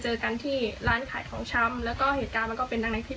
ด้วยคำที่หยาบคายและทำร้ายร่างกายตามที่เห็นในคลิป